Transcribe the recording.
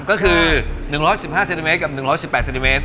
ก็คือ๑๑๕เซนติเมตรกับ๑๑๘เซนติเมตร